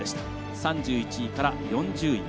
３１位から４０位。